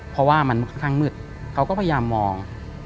เพราะว่ามันค่อนข้างมืดเขาก็พยายามมอง